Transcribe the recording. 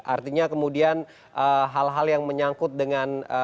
artinya kemudian hal hal yang menyangkut dengan